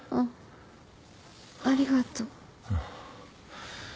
ありがとう。